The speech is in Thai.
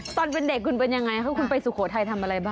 ตอนเป็นเด็กคุณเป็นยังไงคะคุณไปสุโขทัยทำอะไรบ้าง